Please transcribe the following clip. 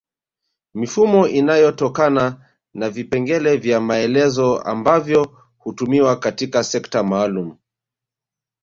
Mifumo inayotokana na vipengele vya maelezo ambavyo hutumiwa katika sekta maalum